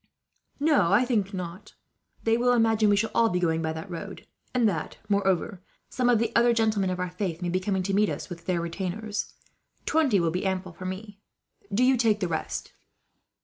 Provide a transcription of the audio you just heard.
"No, I think not. They will imagine we shall all be going by that road; and that, moreover, some of the other gentlemen of our faith may be coming to meet us, with their retainers. Twenty will be ample for me. Do you take the rest."